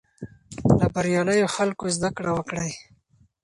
له بریالیو خلکو زده کړه وکړئ.